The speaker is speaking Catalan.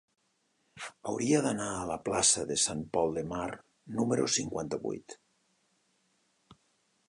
Hauria d'anar a la plaça de Sant Pol de Mar número cinquanta-vuit.